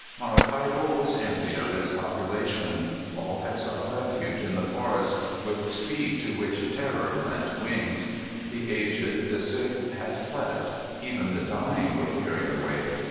Maracaibo was emptied of its population. All had sought refuge in the forest, with speed to which terror lent wings. The aged, the sick had fled. Even the dying were carried away.